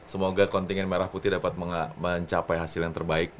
semoga kontingen merah putih dapat mencapai hasil yang terbaik